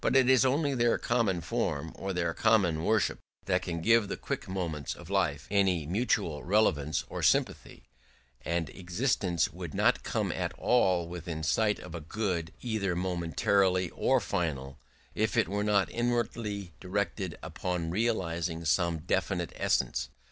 It is only their common form, or their common worship, that can give to the quick moments of life any mutual relevance or sympathy; and existence would not come at all within sight of a good, either momentary or final, if it were not inwardly directed upon realising some definite essence.